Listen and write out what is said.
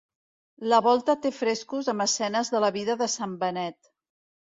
La volta té frescos amb escenes de la vida de Sant Benet.